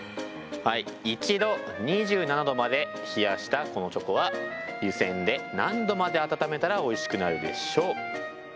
一度２７℃まで冷やしたこのチョコは湯せんで何度まで温めたらおいしくなるでしょう？